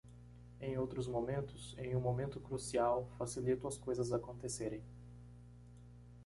Em outros momentos? em um momento crucial? Facilito as coisas acontecerem.